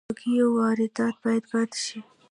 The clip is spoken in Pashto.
د هګیو واردات باید بند شي